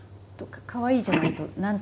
かわいいじゃないと何という。